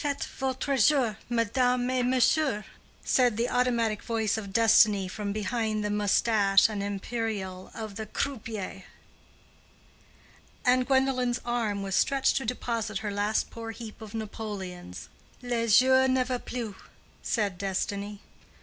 "Faites votre jeu, mesdames et messieurs," said the automatic voice of destiny from between the mustache and imperial of the croupier: and Gwendolen's arm was stretched to deposit her last poor heap of napoleons. "Le jeu ne va plus," said destiny.